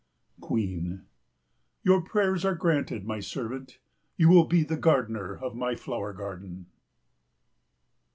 QUEEN. Your prayers are granted, my servant, you will be the gardener of my flower garden.